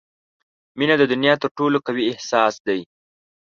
• مینه د دنیا تر ټولو قوي احساس دی.